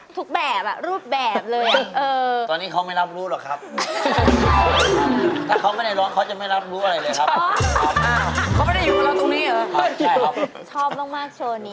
ถึงมาเป็นมุมวน